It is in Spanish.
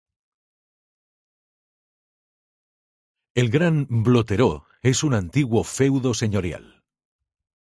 El Grand-Blottereau es un antiguo feudo señorial.